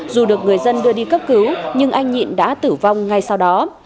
dù được người dân đưa đi cấp cứu nhưng anh nhịn đã tử vong ngay sau đó